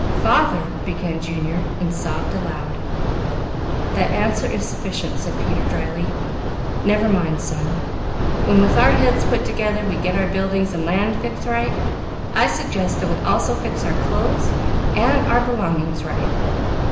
"Father," began Junior, and sobbed aloud. "The answer is sufficient," said Peter dryly. "Never mind son! When, with our heads put together, we get our buildings and land fixed right, I suggest that we also fix our clothes and our belongings right.